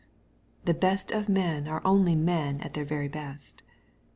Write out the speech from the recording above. The best of men are only men at their very best.